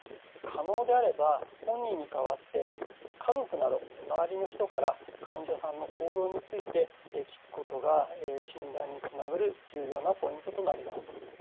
可能であれば本人に代わって家族など周りの人から患者さんの行動について聞くことが診断につながる重要なポイントとなります。